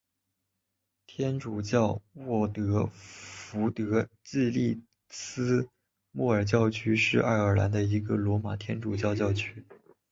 天主教沃特福德暨利斯莫尔教区是爱尔兰一个罗马天主教教区。